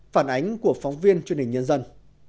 phản ánh của phóng viên truyền hình nhân dân